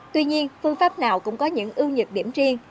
tuy nhiên phương pháp nào cũng có những ưu nhược điểm riêng